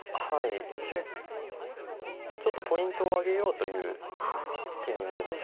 ちょっとポイントを挙げようという手に見えます。